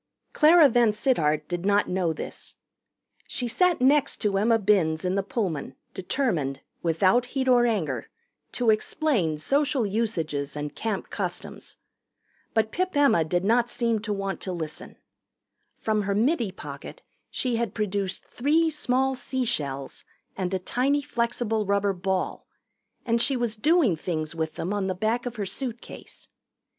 Clara VanSittart did not know this. She sat next to Emma Binns in the Pullman, determined, without heat or anger, to explain Social Usages and Camp Customs. But Pip Emma did not seem to want to listen. From her middy pocket she had produced three small sea shells and a tiny flexible rubber ball, and she was doing things with them on the back of her suitcase.